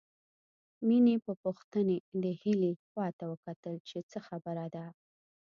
مينې په پوښتنې د هيلې خواته وکتل چې څه خبره ده